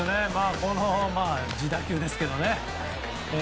自打球ですけどね。